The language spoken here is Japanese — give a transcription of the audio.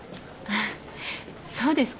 そうですか？